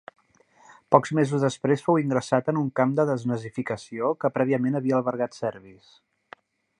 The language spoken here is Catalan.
Pocs mesos després fou ingressat en un camp de desnazificació que prèviament havia albergat serbis.